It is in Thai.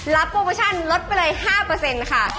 โปรโมชั่นลดไปเลย๕ค่ะ